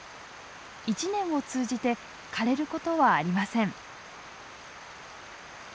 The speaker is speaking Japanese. １年を通じてかれることはありません。